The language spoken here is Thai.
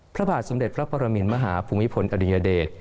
พระบาทสมเด็จพระปรมินมหาภูมิพลอดุญเดช